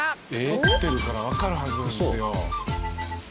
太ってるから分かるはずなんですよ。